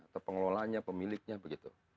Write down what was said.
atau pengelolaannya pemiliknya begitu